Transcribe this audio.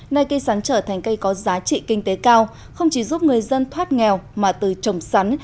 nay cây sắn trở thành cây có giá trị kinh tế cao không chỉ giúp người dân thoát nghèo mà từ trồng sắn